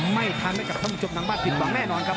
ไม่ทันนะครับถ้ามันจบนางบ้านผิดหวังแน่นอนครับ